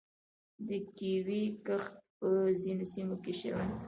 د کیوي کښت په ځینو سیمو کې شوی.